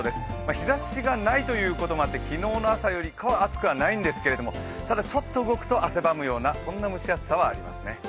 日ざしがないということもあって昨日の朝よりは暑くはないんですけどただ、ちょっと動くと汗ばむような蒸し暑さはありますね。